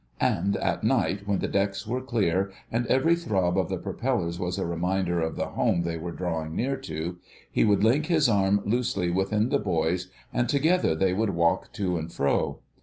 And at night, when the decks were clear, and every throb of the propellers was a reminder of the home they were drawing near to, he would link his arm loosely within the boy's and together they would walk to and fro.